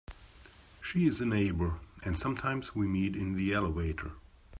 She is a neighbour, and sometimes we meet in the elevator.